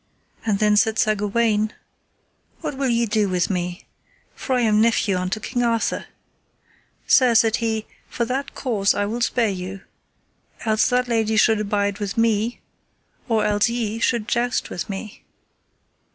And then said Sir Gawaine: What will ye do with me? for I am nephew unto King Arthur. Sir, said he, for that cause I will spare you, else that lady should abide with me, or else ye should joust with me.